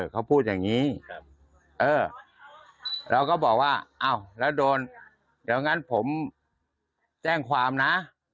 เขาพูดอย่างนี้เราก็บอกว่าอ้าวแล้วโดนเดี๋ยวงั้นผมแจ้งความนะ